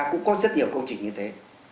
cũng có rất nhiều công trình như thế